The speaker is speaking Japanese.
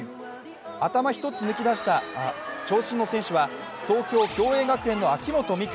頭一つ抜き出した長身の選手は東京・共栄学園の秋本美空。